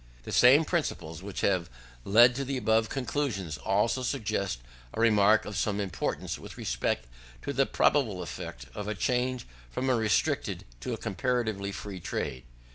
9. The same principles which have led to the above conclusions, also suggest a remark of some importance with respect to the probable effect of a change from a restricted to a comparatively free trade.